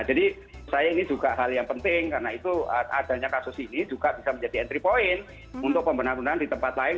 jadi saya ini juga hal yang penting karena itu adanya kasus ini juga bisa menjadi entry point untuk pembinaan di tempat lain